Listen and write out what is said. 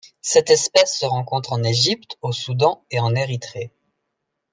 Cette espèce se rencontre en Égypte, au Soudan et en Érythrée.